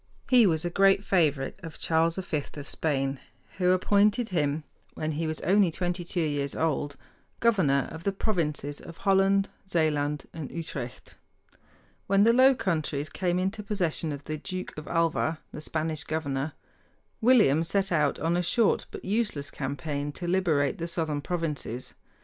He was a great favorite of Charles V of Spain, who appointed him, when he was only twenty two years old, governor of the provinces of Holland, Zealand, and Utrecht. When the Low Countries came into possession of the Duke of Alva, the Spanish governor, William set out on a short but useless campaign to liberate the southern provinces.